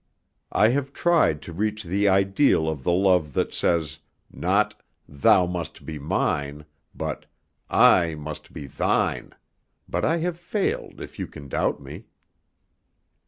I have tried to reach the ideal of the love that says, not 'thou must be mine,' but 'I must be thine,' but I have failed if you can doubt me."